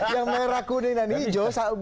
yang merah kuning dan hijau